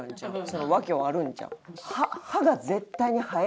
その訳はあるんちゃう？